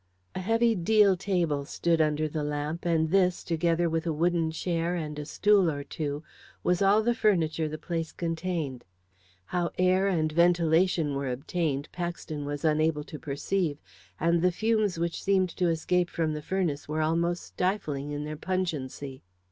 A heavy deal table stood under the lamp, and this, together with a wooden chair and a stool or two, was all the furniture the place contained. How air and ventilation were obtained Paxton was unable to perceive, and the fumes which seemed to escape from the furnace were almost stifling in their pungency.